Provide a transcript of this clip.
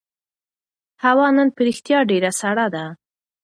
هوا نن په رښتیا ډېره سړه ده.